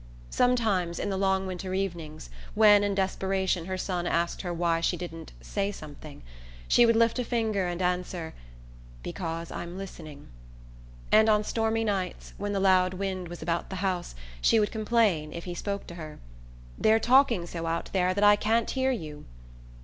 Sometimes, in the long winter evenings, when in desperation her son asked her why she didn't "say something," she would lift a finger and answer: "Because I'm listening"; and on stormy nights, when the loud wind was about the house, she would complain, if he spoke to her: "They're talking so out there that I can't hear you."